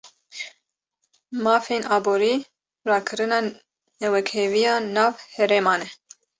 Mafên aborî, rakirina newekheviya nav herêman e